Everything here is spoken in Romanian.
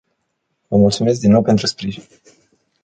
Vă mulțumesc din nou pentru sprijin.